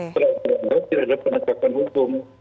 terutama dianggap tidak ada penerjakan hukum